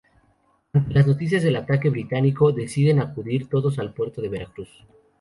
Ante las noticias del ataque británico, deciden acudir todos al puerto de Veracruz.